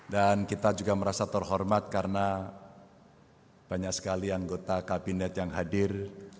dan kita juga merasa terhormat karena banyak sekali anggota kabinet yang hadir